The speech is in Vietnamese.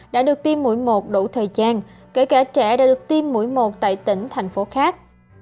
đã được tiêm mũi một đủ thời gian kể cả trẻ đã được tiêm mũi một tại tỉnh thành phố khác